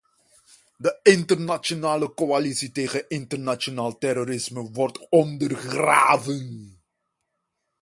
De internationale coalitie tegen internationaal terrorisme wordt ondergraven.